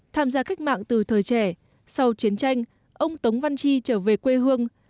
tham gia cách mạng từ thời trẻ sau chiến tranh ông tống văn chi trở về quê hương